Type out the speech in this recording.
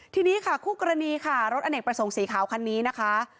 ทีนี้ค่ะคู่กรณีค่ะรถอเนกประสงค์สีขาวคันนี้นะคะ